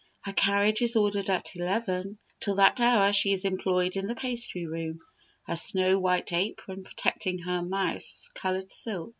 Her carriage is ordered at eleven; till that hour she is employed in the pastry room, her snow white apron protecting her mouse coloured silk.